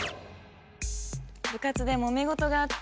部活でもめ事があって。